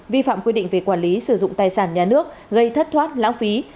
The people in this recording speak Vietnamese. vi phạm quy định về quản lý sử dụng tài sản nhà nước gây thất thoát lãng phí